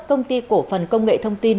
công ty cổ phần công nghệ thông tin